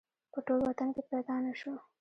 په ټول وطن کې پیدا نه شو